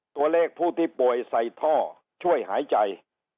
ตัวเลขผู้ที่ป่วยใส่ท่อช่วยหายใจ